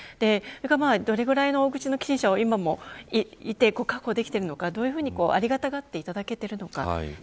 どれぐらいの大口の寄進者を確保できているのかどういうふうにありがたがっていただけているのか